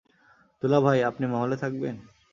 দুলাভাই, আপনি মহলে থাকবেন?